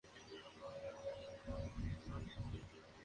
Pertenece a la Comarca de Fonsagrada.